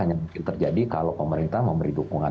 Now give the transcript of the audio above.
tapi tentunya ini hanya terjadi kalau pemerintah memberi dukungan